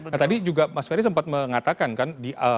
nah tadi juga mas ferry sempat mengatakan kan